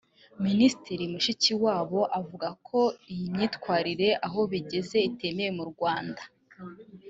Minisitiri Mushikiwabo avuga ko “iyi mwitwarire aho bigeze itemewe mu Rwanda”